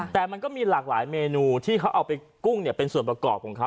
แต่มันก็มีหลากหลายเมนูที่เขาเอาไปกุ้งเป็นส่วนประกอบของเขา